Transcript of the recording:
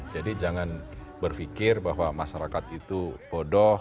jadi jangan berpikir bahwa masyarakat itu bodoh